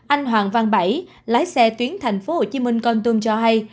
anh hoàng văn bảy lái xe tuyến thành phố hồ chí minh con tum cho hay